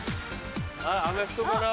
アメフトかな？